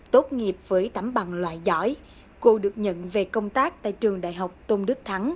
tốt nghiệp với tấm bằng loại giỏi cô được nhận về công tác tại trường đại học tôn đức thắng